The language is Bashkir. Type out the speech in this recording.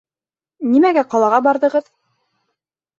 Нимәгә ҡалаға барҙығыҙ?